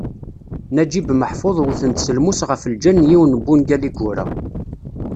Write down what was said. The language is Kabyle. Naǧib Meḥfuḍ wten-t s lmus ɣef lǧal n yiwen n wungal i yura.